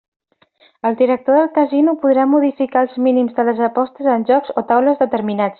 El director del casino podrà modificar els mínims de les apostes en jocs o taules determinats.